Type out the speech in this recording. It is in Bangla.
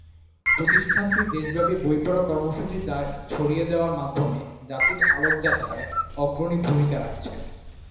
প্রতিষ্ঠানটি দেশব্যাপী বইপড়া কর্মসূচি ছড়িয়ে দেওয়ার মাধ্যমে জাতির আলোকযাত্রায় অগ্রণী ভূমিকা রাখছে।